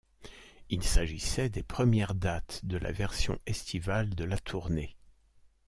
Il s'agissait des premières dates de la version estivale de la tournée.